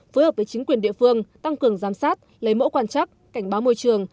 phối hợp với chính quyền địa phương tăng cường giám sát lấy mẫu quan trắc cảnh báo môi trường